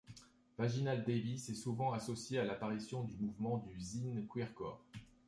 Vaginal Davis est souvent associée à l'apparition du mouvement du zine queercore.